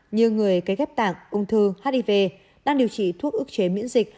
như người gây ghép tạng ung thư hiv đang điều trị thuốc ước chế miễn dịch